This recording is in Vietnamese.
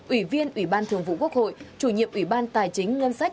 ủy viên ủy ban thường vụ quốc hội chủ nhiệm ủy ban tài chính ngân sách